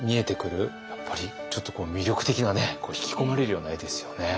やっぱりちょっとこう魅力的な引き込まれるような絵ですよね。